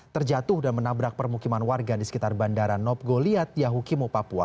terjatuh dan menabrak permukiman warga di sekitar bandara nob goliat yahukimo papua